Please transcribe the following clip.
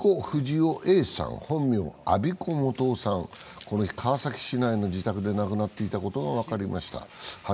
不二雄Ａさん、本名・安孫子素雄さんがこの日、川崎市内の自宅で亡くなっていたことが分かりました。